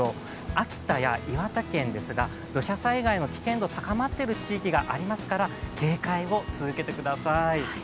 秋田や岩手県ですが土砂災害の危険度高まっている地域がありますから警戒を続けてください。